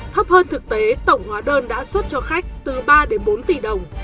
thấp hơn thực tế tổng hóa đơn đã xuất cho khách từ ba đến bốn tỷ đồng